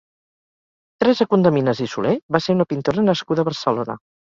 Teresa Condeminas i Soler va ser una pintora nascuda a Barcelona.